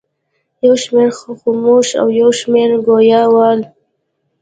یو شمېر خموش او یو شمېر ګویا ول.